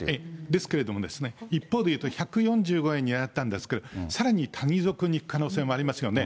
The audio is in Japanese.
ですけれどもですね、一方で言うと１４５円に上がったんですけれども、さらに谷底に行く可能性もありますよね。